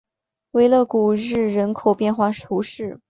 维勒古日人口变化图示